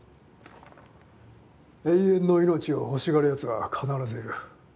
永遠の命を欲しがるヤツは必ずいる。